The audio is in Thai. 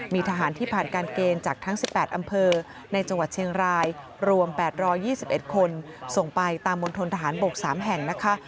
มีทหารที่ผ่านการเกณฑ์จากทั้ง๑๘อำเภอในจังหวัดเชียงรายรวม๘๒๑คนส่งไปตามมณฑนทหารบก๓แห่งนะคะ